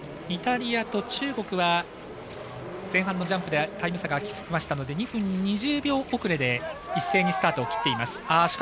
イタリアと中国は前半のジャンプでタイム差があきましたので２分２０秒遅れで一斉にスタートを切っています。